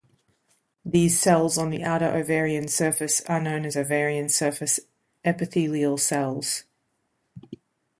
These cells on the outer ovarian surface are known as ovarian surface epithelial cells.